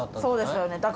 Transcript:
そうですよね。